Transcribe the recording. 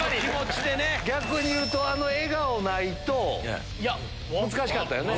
逆にいうとあの笑顔ないと難しかったよね。